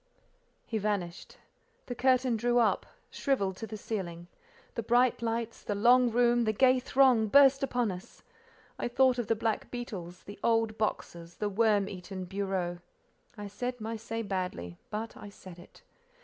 He vanished. The curtain drew up—shrivelled to the ceiling: the bright lights, the long room, the gay throng, burst upon us. I thought of the black beetles, the old boxes, the worm eaten bureau. I said my say badly; but I said it.